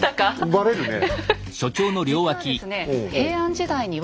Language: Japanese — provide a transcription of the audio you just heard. バレるねえ。